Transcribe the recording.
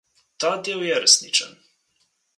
Ta del je resničen.